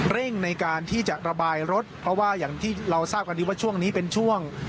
ในการที่จะระบายรถเพราะว่าอย่างที่เราทราบกันดีว่าช่วงนี้เป็นช่วง